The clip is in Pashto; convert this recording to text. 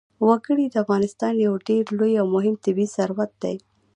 وګړي د افغانستان یو ډېر لوی او مهم طبعي ثروت دی.